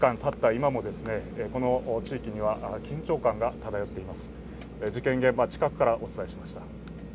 今もこの地域には緊張感が漂っています。